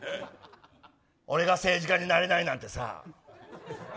俺が政治家になれないなんてさ。